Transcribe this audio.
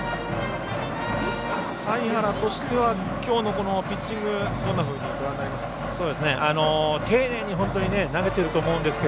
財原としてはきょうのピッチングどんなふうにご覧になりますか？